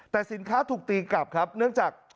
แต่สินค้าถูกตีกลับครับเนื่องจาก